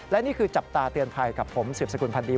และนี่คือจับตาเตือนภัยกับผมสืบสกุลพันดี